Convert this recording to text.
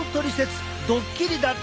ドッキリだったんです！